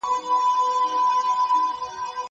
زه سیر نه کوم!